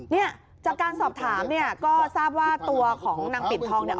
เนี่ยจากการสอบถามเนี่ยก็ทราบว่าตัวของนางปิดทองเนี่ย